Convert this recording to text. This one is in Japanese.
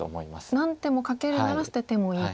何手もかけるんなら捨ててもいいと。